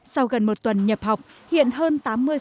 sau gần một tuần nhập học hiện hơn tám mươi